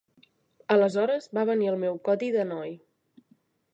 Aleshores va venir el meu codi de noi.